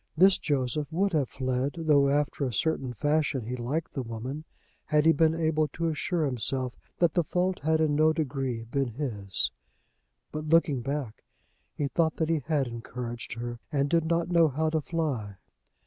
This Joseph would have fled, though after a certain fashion he liked the woman, had he been able to assure himself that the fault had in no degree been his. But looking back, he thought that he had encouraged her, and did not know how to fly.